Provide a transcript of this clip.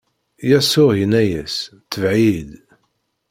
Yasuɛ inna-as: Tbeɛ-iyi-d!